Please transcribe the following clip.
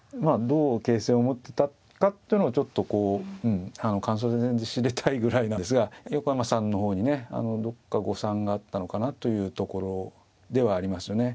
どう形勢を思ってたかっていうのをちょっとこう感想戦で知りたいぐらいなんですが横山さんの方にねどっか誤算があったのかなというところではありますよね。